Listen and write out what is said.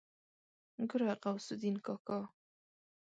ګوره غوث الدين کاکا.